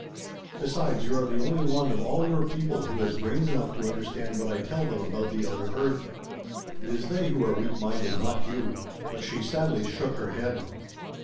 Besides, you are the only one of all your people who has brains enough to understand what I tell them about the outer earth. It is they who are weak minded; not you!" But she sadly shook her head.